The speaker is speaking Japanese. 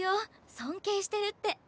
尊敬してるって。